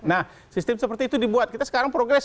nah sistem seperti itu dibuat kita sekarang progresif